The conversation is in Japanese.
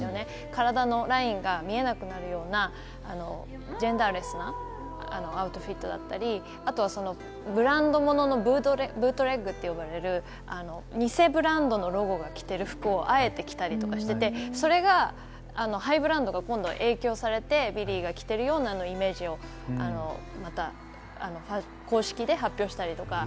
体のラインが見えなくなるようなジェンダーレスなアウトフィットだったり、あとはブランド物のブートレグと呼ばれる偽ブランドのロゴで着ている服をあえて着たりとかしていて、それがハイブランドが今度は影響されてビリーが着ているようなのをイメージを、また公式で発表したりとか。